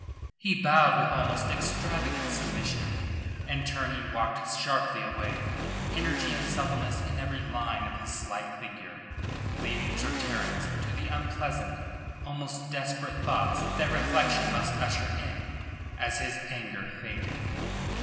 He bowed with almost extravagant submission, and turning walked sharply away, energy and suppleness in every line of his slight figure, leaving Sir Terence to the unpleasant, almost desperate, thoughts that reflection must usher in as his anger faded.